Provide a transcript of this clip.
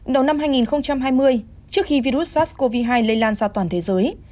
đầu năm hai nghìn hai mươi trước khi virus sars cov hai lây lan ra toàn thế giới